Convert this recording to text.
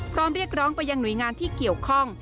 พร้อมเรียกร้องเปยังหนุยงานที่เกี่ยวข้อง